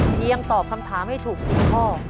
เพียงตอบคำถามให้ถูก๔ข้อ